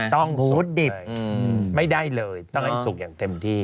ซูดดิบไม่ได้เลยต้องให้สุกอย่างเต็มที่